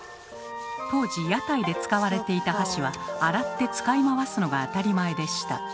当時屋台で使われていた箸は洗って使い回すのが当たり前でした。